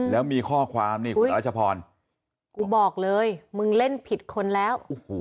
แล้วมีข้อความนี่คุณรัชพรกูบอกเลยมึงเล่นผิดคนแล้ว